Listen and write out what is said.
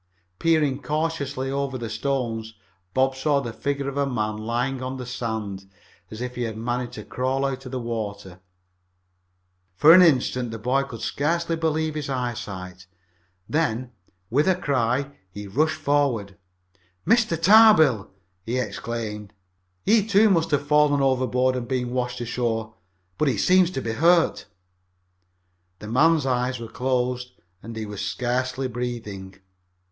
Peering cautiously over the stones, Bob saw the figure of a man lying on the sand, as if he had managed to crawl out of the water. [Illustration: "Bob saw the figure of a man lying on the sand."] For an instant the boy could scarcely believe his eyesight. Then, with a cry, he rushed forward. "It's Mr. Tarbill!" he exclaimed. "He, too, must have fallen overboard and been washed ashore. But he seems to be hurt." The man's eyes were closed and he was scarcely breathing.